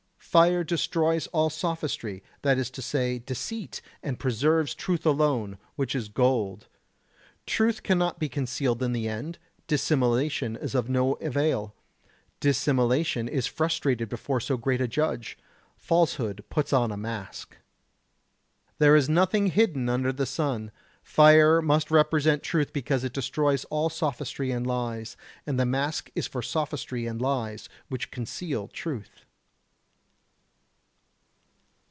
Fire destroys all sophistry, that is to say, deceit, and preserves truth alone, which is gold. Truth cannot be concealed in the end, dissimulation is of no avail. Dissimulation is frustrated before so great a judge. Falsehood puts on a mask. There is nothing hidden under the sun. Fire must represent truth because it destroys all sophistry and lies, and the mask is for sophistry and lies, which conceal truth.